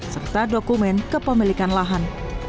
serta dokumen kepemilikan lahan